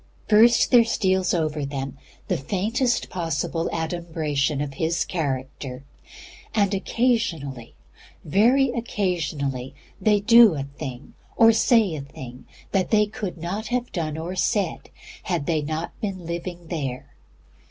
First there steals over them the faintest possible adumbration of His character, and occasionally, very occasionally, they do a thing or say a thing that they could not have done or said had they not been living there.